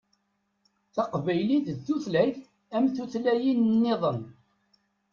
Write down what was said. Taqbaylit d tutlayt am tutlayin-nniḍen.